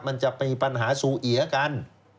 มันจะมีปัญหาสูเหยะกัน